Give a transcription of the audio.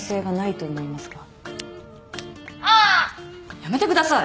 やめてください。